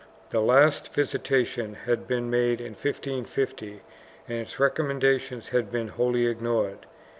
The last visitation had been made in 1550 and its recommendations had been wholly ignored.